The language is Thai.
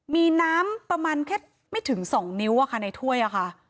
มีน้ำประมาณแค่ไม่ถึง๒นิ้วในถ้วยอะค่ะ